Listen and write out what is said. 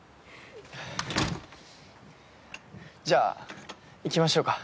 じゃあ行きましょうか。